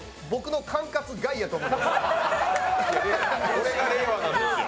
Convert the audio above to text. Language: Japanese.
これが令和なんですよ。